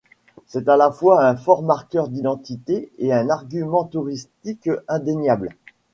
C'est à la fois un fort marqueur d'identité et un argument touristique indéniable.